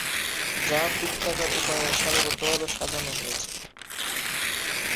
যা বৃত্তাকার উপায়ে সারিবদ্ধভাবে সাজানো রয়েছে।